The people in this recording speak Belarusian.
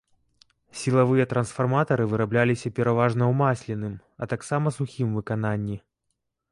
Сілавыя трансфарматары вырабляліся пераважна ў масленым, а таксама сухім выкананні.